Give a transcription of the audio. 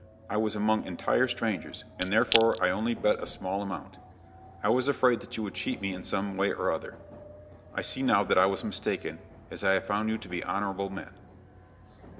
I was among entire strangers, and therefore I only bet a small amount. I was afraid that you would cheat me in some way or other. I see now that I was mistaken, as I have found you to be honorable men."